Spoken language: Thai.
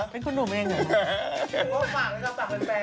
เป็นคุณหนูเองเหรอ